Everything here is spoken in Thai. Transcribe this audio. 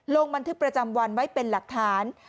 ลงบันทึกประจำวันไว้เป็นหลักฐาน